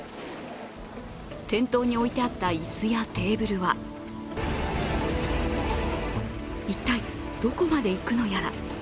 店頭に置いてあった椅子やテーブルは一体、どこまでいくのやら。